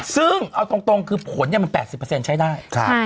ซึ่งเอาตรงคือผลมัน๘๐ใช้ได้